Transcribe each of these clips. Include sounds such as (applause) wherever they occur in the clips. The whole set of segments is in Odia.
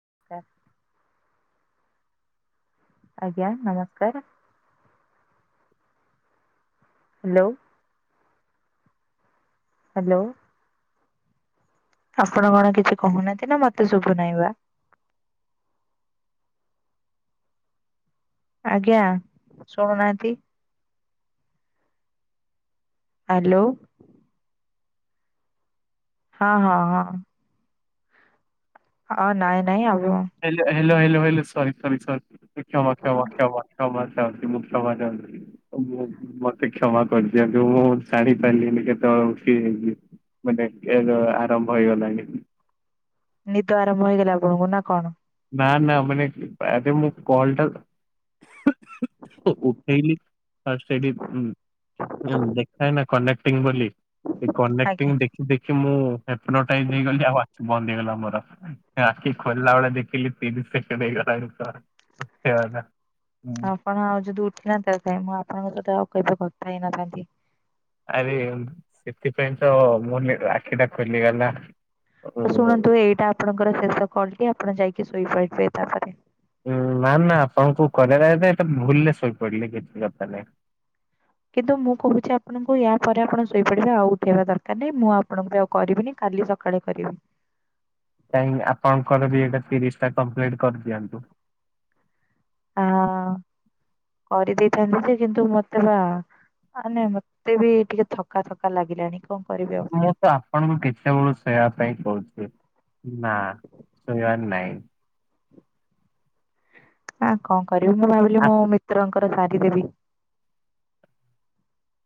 (inaudible) ଆଜ୍ଞା ନମସ୍କାର। ହ୍ୟାଲୋ। ହ୍ୟାଲୋ। ଆପଣ କଣ କିଛି କହୁନାହାନ୍ତି ନା ମତେ ଶୁଭୁ ନାଇଁବା? ଆଜ୍ଞା ଶୁଣୁନାହାନ୍ତି। ହ୍ୟାଲୋ। ହଁ ହଁ ହଁ। ହଁ ନାଇଁ ନାଇଁ ଆଉ hello hello hello sorry sorry sorry କ୍ଷମା କ୍ଷମା କ୍ଷମା କ୍ଷାମା ଚାହୁଁଚି ମୁଁ କ୍ଷମା ଚାହୁଁଛି। ମତେ କ୍ଷମା କରିଦିଅନ୍ତୁ। ମୁଁ ଜାଣି ପାରିଲିନି କେତେବେଳ କିି ମାନେ ଏ ଆରମ୍ଭ ହୋଇଗଲା। ନିଦ ଆରମ୍ଭ ହେଇଗଲା ଆପଣଙ୍କୁ ନା କଣ? ନା ନା ମାନେ ଆରେ ମୁଁ କଲ ଟା ଉଠେଇଲି ତ ସେଇଠି ମ-ମ ଦେଖାଏ ନା କନକ୍ଟିଂ ବୋଲି। ଏ କନେକ୍ଟିଂ ଆଜ୍ଞା ଦେଖି ଦେଖି ମୁଁ ହେପ୍ନୋଟାଇଶ୍ ହେଇଗଲି ଆଉ ଆଖି ବନ୍ଦ ହେଇଗଲା ମୋର, ଆଉ ଆଖି ଖୋଲା ବେଳେ ଦେଖି ଲି ତିରିଶ ସେକେଣ୍ଡ ହେଇଗଲାଣି (unintelligible) ଆପଣ ଆଉ ଯଦି ଉଠେଇ ନଥାନ୍ତେ ମୁଁ ଆପଣଙ୍କ ସହିତ ଆଉ କେବେ କଥା ହେଇନଥାନ୍ତି। ଆରେ ସେଥିପାଇଁ ତ ମୁ ଆଖିଟା ଖୋଲିଗଲା। ଓ ଶୁଣନ୍ତୁ ଏଇଟା ଆପଣଙ୍କର ଶେଷ କଲ କି ଆପଣ ଯାଇକି ଶୋଇପାରିବେ ତାପରେ। ନା ନା ଆପଣଙ୍କୁ କରିବାର ଅଛି ଭୁଲରେ ଶୋଇପଡିଲେ କିଛି କଥା ନାହିଁ। କିନ୍ତୁ ମୁଁ କହୁଛି ଆପଣଙ୍କୁ ୟା ପରେ ଆପଣ ଶୋଇପଡିବେ, ଆଉ ଉଠେଇବା ଦରକାର ନାହିଁ, ମୁଁ ଆପଣଙ୍କୁ ବି ଆଉ କରିବିନି କ କାଲି ସକାଳେ କରିବି। କାହିଁକି ଆପଣଙ୍କର ବି ଏଇଟା ତିରିଶ ଟା କଂପ୍ଲିଟ୍ କରିଦିଅନ୍ତୁ। ହଁ କରିଦେଇଥାନ୍ତି ଯେ କିନ୍ତୁ ମତେ ବା ଆ ନାଇଁ ମତେ ବି ଟିକେ ଥକା ଥକା ଲାଗିଲାଣି। କଣ କରିବି ଆଉ ମୁଁ ତ ଆପଣଙ୍କୁ କେତେବେଳୁ ଶୋଇବା ପାଇଁ କହୁଛି। ନା ଶୋଇବାର ନାଇଁ। ହଁ କଣ କରିବି ମୁଁ ଭାବିଲି ଆ ମୋ ମିତ୍ରଙ୍କର ସାରି ଦେବି।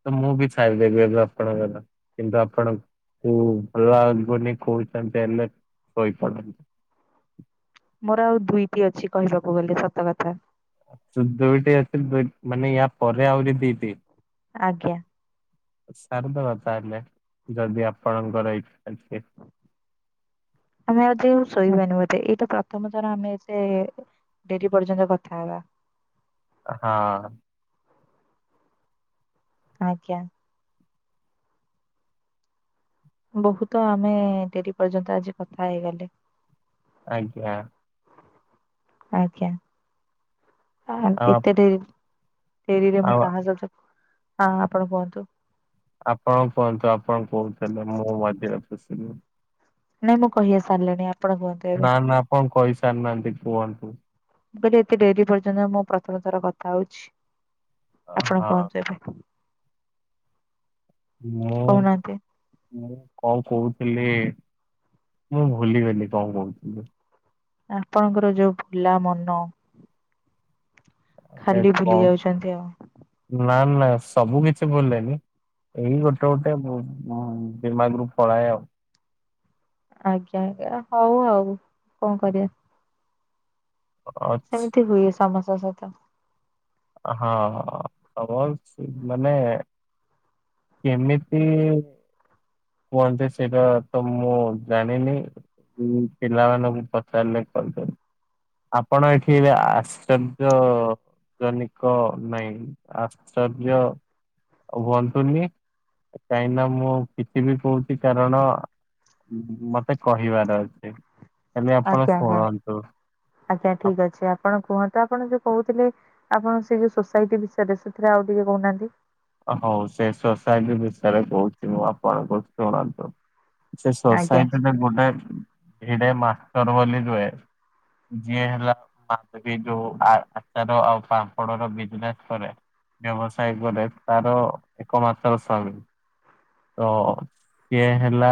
ତ ମୁଁ ବି ସାରିଦେବି ଆଜି ଆପଣଙ୍କର କିନ୍ତୁ ଆପଣ କିନ୍ତୁ ଭଲ ଲାଗୁନି କହୁଚନ୍ତି ହେଲେ ଶୋଇପଡନ୍ତୁ। ହ ମୋର ଆଉ ଦୁଇଟି ଅଛି କହିବାକୁ ଗଲେ ସତ କଥା। ଚୁ ଦୁଇଟି ଅଛି ମାନେ ୟା ପରେ ଆହୁରି ଦିଟି? ଆଜ୍ଞା। ସାରଦବା ତାହେଲେ ଯଦି ଆପଣଙ୍କର ଏଇ ଆମେ ଆଜି ଶୋଇବାନି ବୋଧେ ଏଇଟା ପ୍ରଥମଥର ଆମେ ଏତେ ଡେରି ପର୍ଯ୍ୟନ୍ତ କଥା ହେବା। ହଁ। ଆଜ୍ଞା। ବହୁତ ଆମେ ଡେରି ପର୍ଯ୍ୟନ୍ତ ଆଜି କଥା ହେଇଗଲେ। ଆଜ୍ଞା। ଆଜ୍ଞା ଆ ଆଉ ଏତେ ଡେରି ଡେରିରେ ମୁଁ ଆଉ କାହା ସହିତ ହଁ ଆପଣ କୁହନ୍ତୁ। ଆପଣ କୁହନ୍ତୁ ଆପଣ କହୁଥିଲେ ମୁଁ ମଝିରେ ପଶିଲି ନାଇଁ ମୁଁ କହିିବା ସାରିଲିଣି ଆ ନା ନା ଆପଣ କହି ସାରି ନାହାନ୍ତି କୁହନ୍ତୁ। ମୁଁ କହିଲି ଏତେ ଡେରି ପର୍ଯ୍ୟନ୍ତ ମୁଁ ପ୍ରଥମ ଥର କଥା ହଉଛି। ଆପଣ ହଁ କୁହନ୍ତୁ ଏବେ। ହଁ ମୁଁ କହୁନାହାନ୍ତି ମୁଁ କଣ୍ କହୁଥିଲି ମୁଁ ଭୁଲିଗଲି କଣ କହୁଥିଲି। ଆପଣଙ୍କର ଯୋଉ ଭୁଲା ମନ। ମାନେ ଖାଲି ଭୁଲି କଣ ଯାଉଛନ୍ତି ଆଉ। ନା ନା ସବୁ କିଛି ଭୁଲେନି। ଏଇ ଗୋଟେ ଗୋଟେ ବ-ବ-ଦିମାଗ ରୁ ପଳାଏ ଆଉ। ଆଜ୍ଞା ଆଜ୍ଞା ହଉ ଆଉ କଣ କରିବା। ଅଛି। ସେମିତି ହୁଏ ସମସ୍ତଙ୍କ ସହିତ। ହଁ ସମଶ୍ ମାନେ କେମିତି କୁହନ୍ତି ସେଇଟା ତ ମୁଁ ଜାଣିନି। ମୁଁ ପିଲା ମାନଙ୍କୁ ପଚାରିଲେ କହି ପାରିବି। ଆପଣ ଏଠି ଏବେ ଆଶ୍ଚର୍ଯ୍ୟ ଜନିକ ନାଇଁ ଆଶ୍ଚର୍ଯ୍ୟ ଆଉ ହୁଅନ୍ତୁନି କାହିଁନା ମୁଁ କିଛି ବି କହୁଚି କାରଣ ମତେ କହିବାର ଅଛି। ଖାଲି ଆପଣ ଆଜ୍ଞା ଆଜ୍ଞା ଶୁଣନ୍ତୁ। ଆଜ୍ଞା ଠିକ୍ ଅଛି ଆପଣ କୁହନ୍ତୁ ଆପଣ ଯୋଉ କହୁଥିଲେ ଆପଣ ସେ ଯଉ ସୋସାଇଟି ବିଷୟରେ ସେଥିରେ ଆଉ ଟିକେ କହୁନାହାନ୍ତି? ହଉ ସେ ସୋସାଇଟି ବିଷୟରେ କହୁଛି ମୁଁ ଆପଣଙ୍କୁ ଶୁଣନ୍ତୁ। ସେ ଆଜ୍ଞା ସୋସାଇଟିରେ ଗୋଟେ ଭିଡେ ମାଷ୍ଟର ବୋଲି ରୁହେ। ଯିଏ ହେଲା ମା ଯୋଉ ଆଚାର ଆଉ ପାମ୍ପଡ ର ଵିଜ୍ ନେସ କରେ। ବ୍ୟବସାୟ କରେ ତାର ଏକମାତ୍ର ସର ତ ସିଏ ହେଲା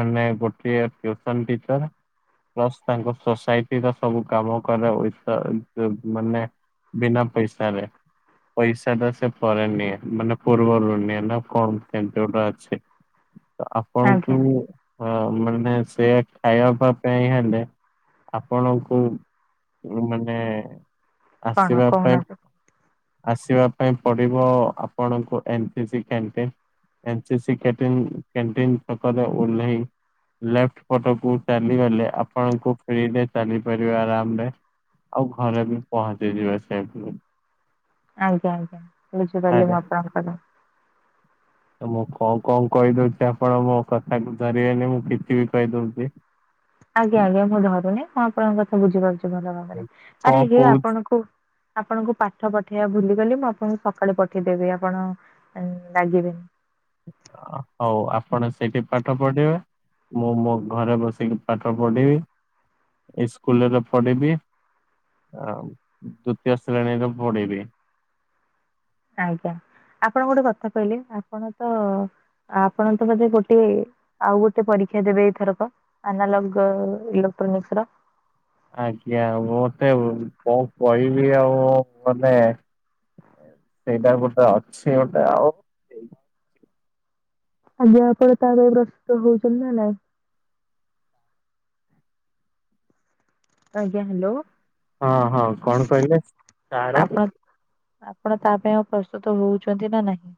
ମାନେ ଗୋଟେଏ ଟିୟୁସନ୍ ଟିଚର ପ୍ଲସ୍ ତାଙ୍କ ସୋସାଇଟିର ସବୁ କାମ କରେ ଉଇତର ଡବ ମାନେ ବିନା ପଇସାାରେ ପଇସାଟା ସେ ପରେ ନିଏ ମାନେ ପୂର୍ବରୁ ନିଏ ନା କଣ ସେମିତି ଗୋଟେ ଅଛି। ତ ଆଜ୍ଞା ଆପଣଙ୍କୁ ହଁ ମାନେ ସେ ଖାଇବାବା ପାଇଁ ହେଲେ ଆପଣଙ୍କୁ ମାନେ କଣ ଆସିବା ପାଇଁଵ କହୁନାହାନ୍ତି ଆସିବା ପାଇଁଵ ପଡିବ ଆପଣଙ୍କୁ ଏଣ୍ଟିଜି କାଣ୍ଟିନ୍। ଏ ଏନ୍ ସିସି କ୍ୟାଟିନ କାଣ୍ଟିନ ପାଖରେ ଓଲ୍ଲାଇ ଲେ ଫଟୋକୁ ଚାଲିଗଲେ ଆପଣଙ୍କୁ ଫରେ ଚାଲି ପାରିବ ଆରାମରେ ଆଉ ଘରେ ବି ପହଞ୍ଚିଯିବା ସେ ଆଜ୍ଞା ଆଜ୍ଞା ବୁଝିପାରିଲି (unintelligible) ମୁଁ କଣ କଣ କହିଦଉଛି ଆପଣ ମୋ କଥାକୁ ଧରିବେନି ମୁଁ କିଛି ବି କହି ଦଉଛି। ଆଜ୍ଞା ଆଜ୍ଞା ମୁଁ ଧରୁନି ଆପଣଙ୍କ କଥା ବୁଝିପାରୁଚି। ଭଲ ଭାବରେ କଣ ଆରେ ହେ କହୁଛ ଆପଣଙ୍କୁ ଆପଣଙ୍କୁ ପାଠ ପଠେଇବା ଭୁଲି। ଗଲି ମୁଁ କହିଲି ଆପଣଙ୍କୁ ସକାଳୁ ପଠେଇଦେବି ଆପଣ ରାଗିବେନି। ଆ ହଉ ଆପଣ ସେଇଠି ପାଠ ପଢିବେ। ମୁଁ ମୋ ଘରେ ବସିକି ପାଠ ପଢିବି। ଇସ୍କୁଲ୍ ରେ ପଢିବି। ଆଉ ତୃତୀୟ ଶ୍ରେଣୀରେ ପଢିବି। ଆଜ୍ଞା। ଆପଣ ଗୋଟେ କଥା କହିଲେ ଆପଣ ତ ଆପଣ ତ ବୋଧେ ଗୋଟେ ଆଉ ଗୋଟେ ପରୀକ୍ଷା ସିଏ ଦେବେ ଏଇଥରକ ଅନାଲଗ ଇଲୋ୍ଟ୍ରୋନିକସର। ଆଜ୍ଞା ମତେ କଣ କହିବି ଆଉ ମାନେ ସେଇଟା ଗୋଟେ ଅଛି ଗୋଟେ ଆଉ। ଆଜ୍ଞା ଆପଣ ପାଇବାପାଇଁ ପ୍ରସ୍ତୁତ ହୋଇଛନ୍ତି ନା ନାହିଁ। ଆଜ୍ଞା ହାଲୋ। ହଁ ହଁ କଣ କହିଲେ ତାର ଆପଣ ଆପଣ ତା ପାଇଁ ଆଉ ପ୍ରସ୍ତୁତ ହଉଛନ୍ତି ନା ନାହିଁ?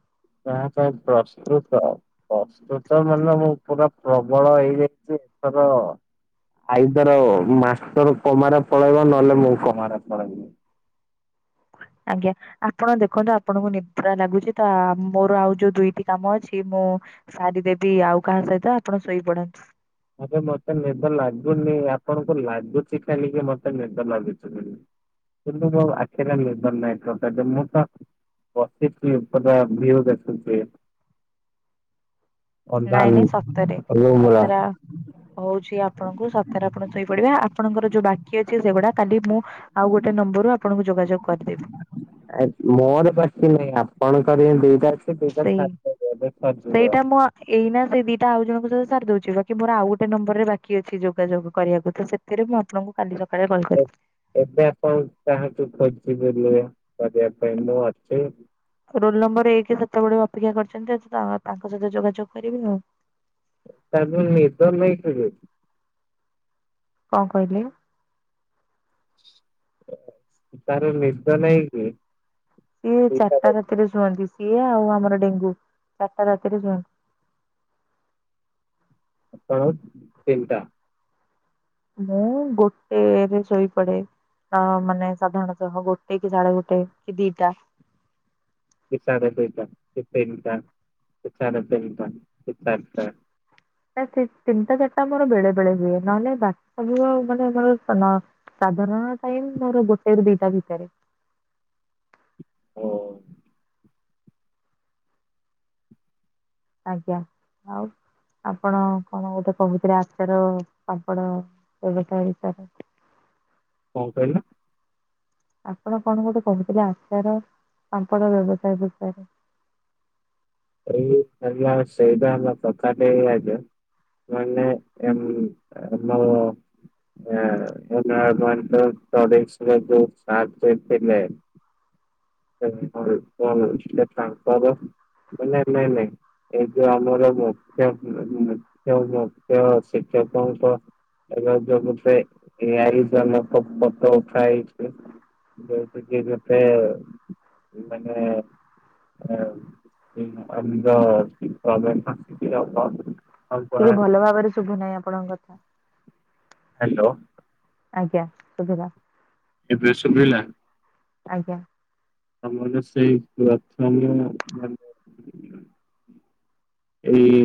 ନା କାଇଁ ପ୍ରସ୍ତୁତ ପ୍ରସ୍ତୁତ ମାନେ ମୁଁ ପୁରା ପ୍ରବଳ ହେଇଯାଇଛି। (unintelligible) ଆଇଦରମାଷ୍ଟର କୋମାରେ ପଳେଇବ ନହେଲେ ମୁଁ କୋ ମାରେ ପଳେଇବି। (inaudible) ଆଜ୍ଞା ଆପଣ ଦେଖନ୍ତୁ ଆପଣଙ୍କୁ ନିଦ୍ରା ଲାଗୁଛି ତ ମୋର ଆଉ ଯୋଉ ଦୁଇଟି କାମ ଅଛି ମୁଁ ସାରିଦେବି ଆଉ କାହା ସହିତ ଆପଣ ଶୋଇପଡନ୍ତୁ। ଆରେମତେ ନିଦ ଲାଗୁନି ଆପଣଙ୍କୁ ଲାଗୁଛି କାହଁକି ମତେ ନିଦ ଲାଗୁଚି ବୋଲି। (unintelligible) ବସିଚି ପୁରା ଭିଓ ଦେଖୁଛି। (inaudible) ଅଧା ନାଇଁ ନାଇଁ ସତରେ ରୁମ୍ ର। ସତରେ ଆ ହଉଛି ଆପଣଙ୍କୁ ସତରେ ଆପଣ ଶୋଇପଡିବା ଆପଣଙ୍କର ଯୋଉ ବାକି ଅଛି ସେଗୁଡା କାଲି ମୁଁ ଆଉ ଗୋଟେ ନମ୍ବ ମୋର ଆପଣଙ୍କୁ ଯୋଗାଯୋଗ କରିଦେବି। ଆ ମୋର ବାକି ନାହିଁ ଆପଣ କରିବେ ସେଇ ଦିଟା ସେଇଟା (unintelligible) ମୁଁ ଏଇନା ସେଇ ଦିଟା ଆଉ ଜଣଙ୍କ ସହ ସାରିଦଉଛି ବାକି ମୋର ଆଉ ଗୋଟେ ନମ୍ବରରେ ବାକି ଅଛି ଯୋଗାଯୋଗ କରିବାକୁ ତ ସେଥିରେ ମୁଁ ଆପଣଙ୍କୁ କାଲିର ଏବେ ଏବେ ଆପଣ ତାହାକୁ ଖୋଜି ପାରିବ। କରିବା ପାଇଁ ମୁଁ ଅଛି। ରୋଲ ନମ୍ବର ଏକେ ସେତେବେଳେ ଅପେକ୍ଷା କରିଛନ୍ତି ତା-ତାଙ୍କ ସହିତ ଯୋଗାଯୋଗ କରିବେ ଆଉ। ତାକୁ ନିଦ ନାଇ ଖୋଜେ। କଣ କହିଲେ? ତାର ନିଦ ନାହିଁକି? ସିଏ ଚାରିଟା ରାତିରେ ଶୁଅନ୍ତି। ଇଏ ଆଉ ଆମର ଡେଙ୍ଗୁ ଚାରିଟା ରାତିରେ ଶୁଅନ୍ତି। ଆପଣ ତିନିଟା। ମୁଁ ଗୋଟେଏରେ ଶୋଇପଡେ। ଅ ମାନେ ସାଧାରଣତଃହ ଗୋଟେ କି ସାଢେ ଗୋଟେ କି ଦିଟା। ବିଷାର ଦୁଇଟା (unintelligible) ବିଷାର ତିନିଟା। ସେ ଚାରିଟା। ନା ସେ ତିନିଟା ଚାରିଟା ମୋର ବେଳେ ବେଳେ ହୁଏ ନହେଲେ ବାକ ସବୁମାନେ ମୋର ନ ସାଧାରଣ। ହଁ ଟାଇମି ମୋର ଗୋଟେ ରୁ ଦିଟା ଭିତରେ। ଓ। ଆଜ୍ଞା ଆଉ। ଆପଣ କଣ ଗୋଟେ କହୁଥିଲେ ଆଚାର ପାମ୍ପଡ ବେବସ୍ଥା ଭିତରେ। (inaudible) କଣ କହିଲ? ଆପଣ କଣ ଗୋଟେ କହୁଥିଲେ ଆଚାର ପାମ୍ପଡ ବ୍ୟବସାୟ ବିଷୟରେ? (inaudible) ସେଇ (unintelligible) ସେଇଟା ପ୍ରକାରଟଇ (unintelligible) ମାନେ ଏ। (unintelligible) (unintelligible) (inaudible) (unintelligible) ସେ ତାଙ୍କର (unintelligible) ନାଇଁ ନାଇଁ। ଏଇ ଯୋଉ ଆମର ମୁଖ୍ୟ ମୁଖ୍ୟ ମୁଖ୍ୟ ଶିକ୍ଷକଙ୍କ ଏବେ ଯବୁଗୋଟେ (unintelligible) ଜନକ ଫୋଟ ଉଠା ହେଇଛି। ଯଉ କି କେତେମାନେ ଉଁ (unintelligible) ଟିକେ ଭଲ ଭାବରେ ଶୁଭୁ ନାହିଁ ଆପଣଙ୍କ କଥା। ହ୍ୟାଲୋ। ଆଜ୍ଞା ଶୁଭିଲା। ଏବେ ସୁୁବିଲା। ଆଜ୍ଞା। ଆମର ସେଇ ପ୍ରଥମ ମାନେ (inaudible) ଏଇ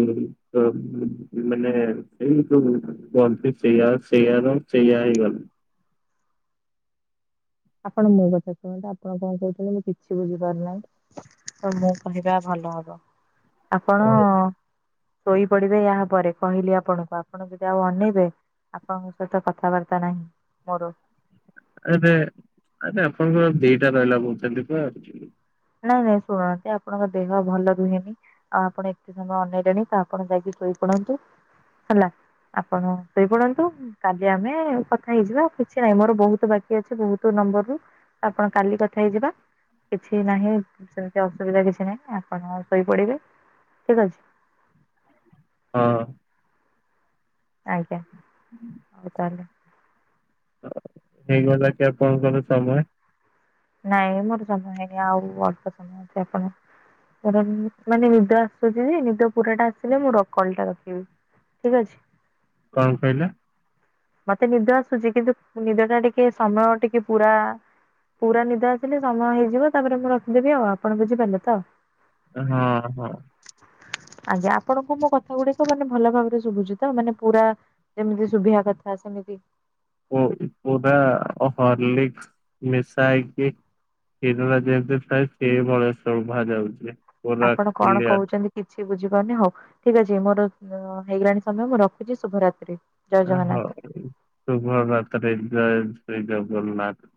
ମାନେ ଏଇ ଯୋଉ କହନ୍ତି ସେଇଆ ସେୟା (unintelligible) (inaudible) ଆପଣ ମୋ କଥା ଶୁଣନ୍ତୁ ଆପଣ କଣ କହୁଛନ୍ତି ମୁଁ କିଛି ବୁଝିପାରୁନାହିଁ ତ ମୁଁ କହିବା ଭଲ। ହବ ଆପଣ। ଆଉ ଶୋଇପଡିବେ ୟା ପରେ କହିଲି ଆପଣଙ୍କୁ ଆପଣ ଯଦି ଆଉ ଅନେଇବେ ଆପଣଙ୍କ ସହିତ କଥାବାର୍ତ୍ତା ନାହିଁ ମୋର ଆରେ ଆରେ ଆପଣଙ୍କର ଦିଟା ରହିଲା କହୁଛନ୍ତି ପା ନାଇଁ ନାଇଁ ଶୁଣନାହାନ୍ତି ଆପଣଙ୍କ ଦେହ ଭଲ ରୁହେନି, ଆଉ ଆପଣ ଏତେ ସମୟ ଅନେଇଲେଣି ତ ଆପଣ ଯାଇକି ଶୋଇପ ନ୍ତୁ ହେଲା। ଆପଣ ଶୋଇ ପଡନ୍ତୁ କାଲି ଆମେ କଥା ହେଇଯିବା। କିଛି ନାହିଁ ମୋର ବହୁତ ବାକି ଅଛି ବହୁତ ନମ୍ବରରୁ ଆପଣ କାଲି କଥା ହେଇଯିବା। କିଛି କିଛି ନାହିଁ ସେମିତି ଅସୁବିଧା କିଛି ନାହିଁ ଆପଣ ଶୋଇପଡିବେ, ଠିକ ଅଛି (inaudible) ହଁ। ଆଜ୍ଞା ହଉ ତାହେଲେ। ହେଇଗଲା କି ଆପଣଙ୍କର ସମୟ। ନାଇଁ ମୋର ସମୟ ହେଇନି ଆଉ ଅଳ୍ପ ସମୟ ଅଛି, ଆପଣ ମାନେ ନିଦ ଆସୁଛି ଯେ ନିଦ ପୁରା ଟା ଆସିଲେ ମୁଁ ର କଲ ଟା ରଖିବି। ଠିକ ଅଛି। କଣ କହିଲ? ମତେ ନିଦ ଆସୁଛି କିନ୍ତୁ ନିଦ ଟା ଟିକେ ସମୟ ଟିକେ ପୁରା ପୁରା ନିଦ ଆସିଲେ ସମୟ ହେଇଯିବ, ତାପରେ ମୁଁ ରଖିଦେବି ଆଉ ଆପଣ ବୁଝିପାରିଲେ ତ। ହଁ- ହଁ। (inaudible) ଆଜ୍ଞା ଆପଣଙ୍କ ମୋ କଥା ଗୁଡିକ ମାନେ ଭଲ ଭାବରେ ଶୁଭୁଛି ତ, ମାନେ ପୁରା ଯେମିତି ଶୁଭିବା କଥା ଥା ସେମିତି ଓ ପୁରା ହର୍ଲିକସ ମିଶାଇ କି କ୍ଷୀରରେ ଯେମିତି ଥାଏ, ସେଇ ଭଳିଆ ଶୁଭା ଯାଉଛି। ପୁରା ଆପଣ କଣ କ୍ଲିୟର। କହୁଛନ୍ତି କିଛି ବୁଝିପାରୁନି? ହଉ ଠିକ ଅଛି। ମୋର ହେଇଗଲାଣି ସମୟ ମୁଁ ରଖୁଛି ଶୁଭରାତ୍ରି। ଜୟ ଆଃ ଜଗନ୍ନାଥ। ହଉ ଶୁଭରାତ୍ରି ଜୟ ଜଗ ଜଗନ୍ନାଥ